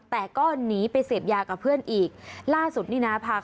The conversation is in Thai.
แต่ก็หนีไปเสพยากับเพื่อนอีกล่าสุดนี่นะพาเข้าไปบับรรบัด